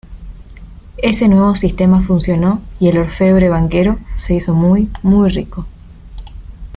Ese nuevo sistema funcionó y el orfebre-banquero se hizo muy, muy rico.